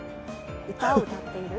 歌を歌っている？